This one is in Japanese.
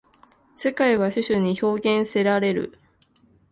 世界は種々に表現せられる。